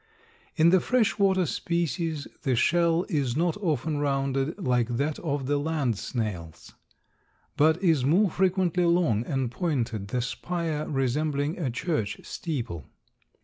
In the fresh water species the shell is not often rounded like that of the land snails, but is more frequently long and pointed, the spire resembling a church steeple.